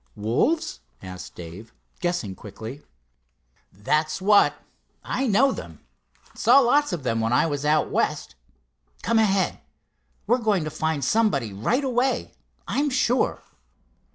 "Wolves?" asked Dave, guessing quickly. "That's what; I know them. Saw lots of them when I was out West. Come ahead. We're going to find somebody right away, I'm sure."